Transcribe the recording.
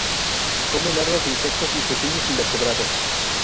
Come larvas de insectos y pequeños invertebrados.